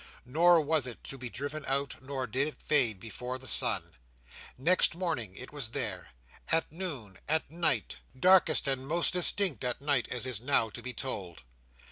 Nor was it to be driven out, nor did it fade before the sun. Next morning it was there; at noon; at night Darkest and most distinct at night, as is now to be told.